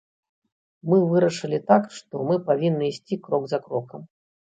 Мы вырашылі так, што мы павінны ісці крок за крокам.